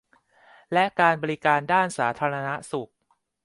และการบริการด้านสาธารณสุข